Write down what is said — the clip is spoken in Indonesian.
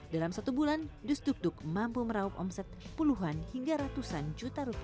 dalam satu bulan dukduk mampu meraup omset puluhan hingga ratusan juta rupiah